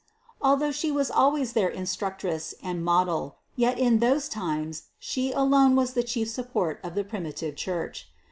Although She was always their In structress and model, yet in those times She alone was the chief support of the primitive Church.